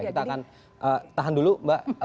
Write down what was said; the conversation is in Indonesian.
kita akan tahan dulu mbak